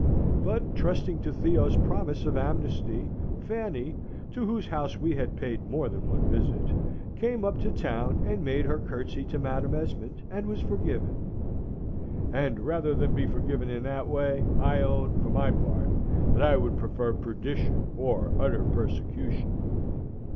But, trusting to Theo's promise of amnesty, Fanny (to whose house we had paid more than one visit) came up to town, and made her curtsey to Madam Esmond, and was forgiven. And rather than be forgiven in that way, I own, for my part, that I would prefer perdition or utter persecution.